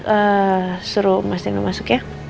eh suruh mas nino masuk ya